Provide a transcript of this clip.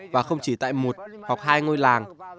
và không chỉ tại một hoặc hai ngôi làng